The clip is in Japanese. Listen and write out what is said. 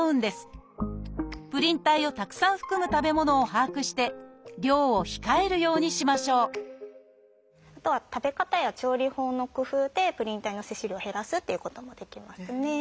プリン体をたくさん含む食べ物を把握して量を控えるようにしましょうあとは食べ方や調理法の工夫でプリン体の摂取量を減らすっていうこともできますね。